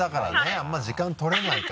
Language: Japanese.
あんまり時間取れないか。